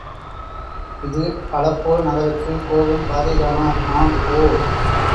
இது அலெப்போ நகருக்குப் போகும் பாதைதானா? ஆம்! ஒ!